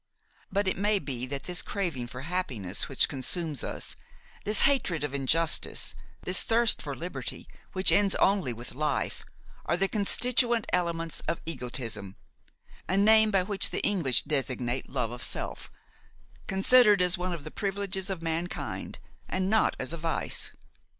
But it may be that this craving for happiness which consumes us, this hatred of injustice, this thirst for liberty which ends only with life, are the constituent elements of egotism, a name by which the English designate love of self, considered as one of the privileges of mankind and not as a vice.